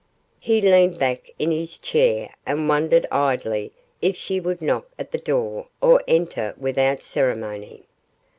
He leaned back in his chair and wondered idly if she would knock at the door or enter without ceremony.